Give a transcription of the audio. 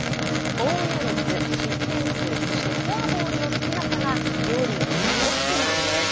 防御率、失点数そしてフォアボールの少なさが両リーグトップなんです。